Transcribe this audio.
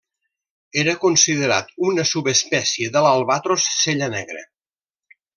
Era considerat una subespècie de l'albatros cellanegre.